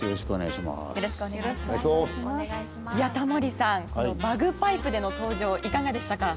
いやタモリさんこのバグパイプでの登場いかがでしたか？